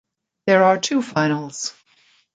There are two finals.